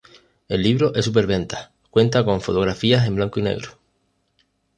El libro es superventas, cuenta con fotografías en blanco y negro.